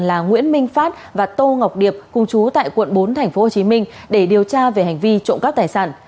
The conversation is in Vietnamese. là nguyễn minh phát và tô ngọc điệp cùng chú tại quận bốn tp hcm để điều tra về hành vi trộm cắp tài sản